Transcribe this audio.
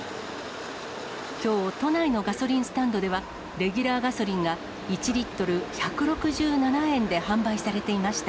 きょう、都内のガソリンスタンドでは、レギュラーガソリンが１リットル１６７円で販売されていました。